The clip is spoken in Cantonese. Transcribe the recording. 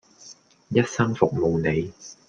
一生服務你